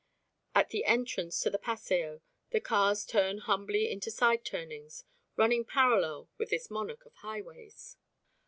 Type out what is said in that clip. At the entrance to the Paseo the cars turn humbly into side turnings running parallel with this monarch of highways.